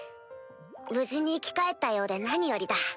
無事に生き返ったようで何よりだ。